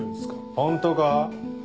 本当か？